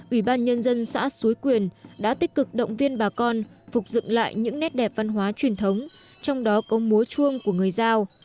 ủy ban nhân dân xã suối quyền đã tích cực động viên bà con phục dựng lại những nét đẹp văn hóa truyền thống trong đó có múa chuông của người giao